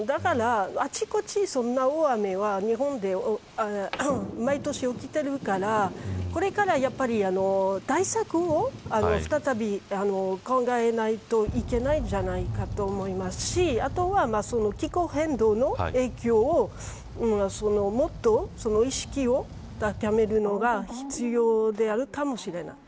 あちこち、そんな大雨はまた日本で毎年、起きているからこれから対策を再び考えないといけないんじゃないかと思いますしあとは気候変動の影響をもっと意識を高めるのが必要であるかもしれない。